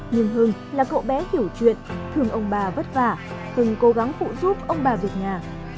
nhưng hưng là cậu bé hiểu chuyện thường ông bà vất vả từng cố gắng phụ giúp ông bà việc nhà